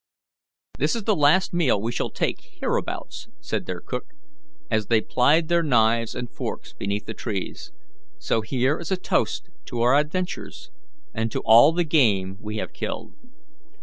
"This is the last meal we shall take hereabouts," said their cook, as they plied their knives and forks beneath the trees, "so here is a toast to our adventures, and to all the game we have killed."